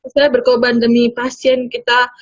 saya berkorban demi pasien kita